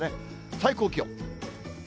最高気温。